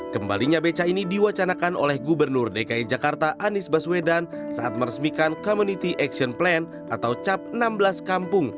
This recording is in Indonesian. kembalinya beca ini diwacanakan oleh gubernur dki jakarta anies baswedan saat meresmikan community action plan atau cap enam belas kampung